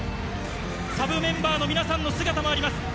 サブメンバーの皆さんの姿もあります。